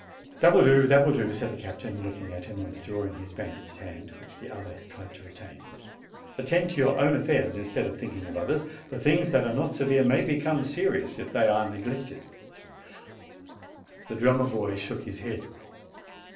"That will do, that will do," said the captain, look ing at him and withdrawing his bandaged hand, which the other tried to retain. "Attend to your own affairs, instead of thinking of others, for things that are not severe may become serious if they are neglected." A MEDAL WELL BESTOWED THE SARDINIAN DRUMMER BOY 107 The drummer boy shook his head.